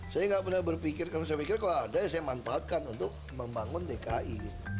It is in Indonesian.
saya nggak pernah berpikir kalau saya pikir kalau ada ya saya manfaatkan untuk membangun dki